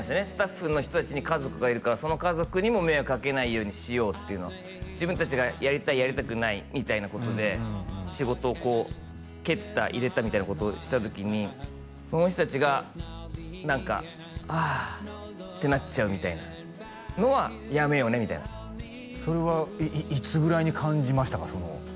スタッフの人達に家族がいるからその家族にも迷惑かけないようにしようっていうのは自分達がやりたいやりたくないみたいなことで仕事をこう蹴った入れたみたいなことをした時にその人達が何か「ああ」ってなっちゃうみたいなのはやめようねみたいなそれはいつぐらいに感じましたか？